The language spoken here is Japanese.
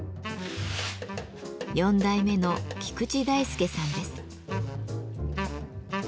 ４代目の菊池大輔さんです。